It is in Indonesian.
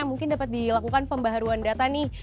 mungkin dapat dilakukan pembaharuan data nih